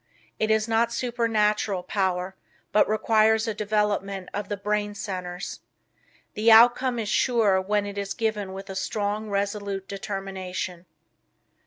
It is not supernatural power, but requires a development of the brain centers. The outcome is sure when it is given with a strong resolute determination.